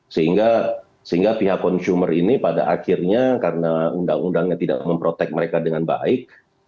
sehingga pihak consumer ini pada akhirnya karena undang undangnya tidak memprotek mereka dengan baik